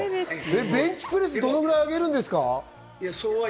ベンチプレス、どのくらい上げるんですか？